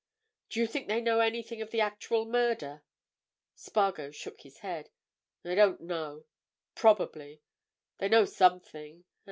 "Do you think they know anything of the actual murder?" Spargo shook his head. "I don't know. Probably. They know something.